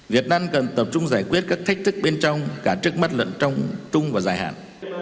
việt nam cần tập trung giải quyết các thách thức bên trong cả trước mắt lẫn trong trung và dài hạn